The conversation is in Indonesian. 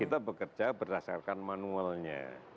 kita bekerja berdasarkan manualnya